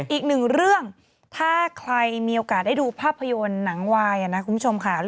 อีกหนึ่งเรื่องถ้าใครมีโอกาสได้ดูภาพยนตร์หนังวายนะคุณผู้ชมค่ะ